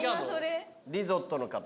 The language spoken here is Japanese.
リゾットの方？